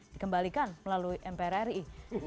dikembalikan melalui mpr ri